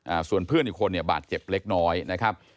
อ่าส่วนเพื่อนอีกคนเนี่ยบาดเจ็บเล็กน้อยนะครับ